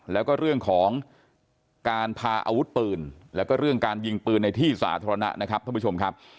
แล้วก็เรื่องของการพาอาวุธปืนแล้วก็เรื่องการยิงปืนในที่สาธารณะนะครับท่านผู้ชมครับ